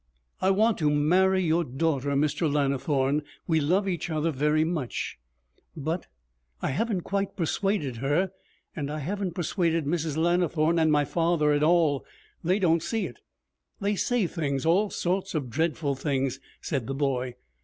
'I want to marry your daughter, Mr. Lannithorne. We love each other very much. But I haven't quite persuaded her, and I haven't persuaded Mrs. Lannithorne and my father at all. They don't see it. They say things all sorts of dreadful things,' said the boy.